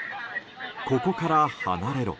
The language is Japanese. ここから離れろ。